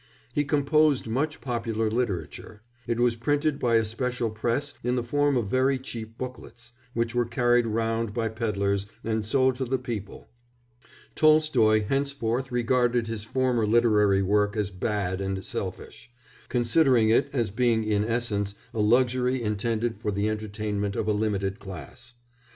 He composed much popular literature; it was printed by a special press in the form of very cheap booklets, which were carried round by pedlars and sold to the people. Tolstoy henceforth regarded his former literary work as bad and selfish, considering it as being in essence a luxury intended for the entertainment of a limited class.